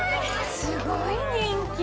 すごい人気。